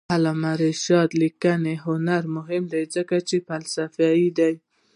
د علامه رشاد لیکنی هنر مهم دی ځکه چې فلسفي دی.